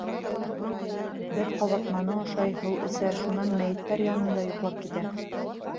Бер ҡабартманы ашай, һыу эсә, шунан мәйеттәр янында йоҡлап китә.